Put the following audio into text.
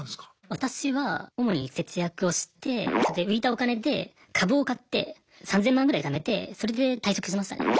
私は主に節約をしてそれで浮いたお金で株を買って３０００万ぐらい貯めてそれで退職しましたね。